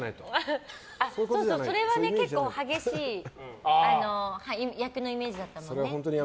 それは結構激しい役のイメージだったもんね。